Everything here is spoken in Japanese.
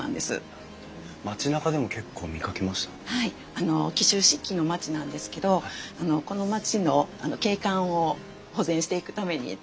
あの紀州漆器の町なんですけどこの町の景観を保全していくために至る所に置いてます。